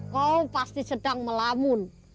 kau pasti sedang melamun